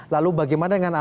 lalu bagaimana dengan arusnya